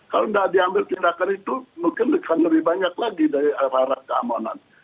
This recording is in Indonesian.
kalau tidak diambil tindakan itu mungkin akan lebih banyak lagi dari arah arah keamanan